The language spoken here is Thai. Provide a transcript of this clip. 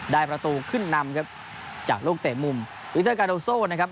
ประตูขึ้นนำครับจากลูกเตะมุมวิเตอร์กาโดโซ่นะครับ